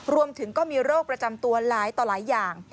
รวมถึงก็มีโรคประจำตัวหลายต่อหลายอย่าง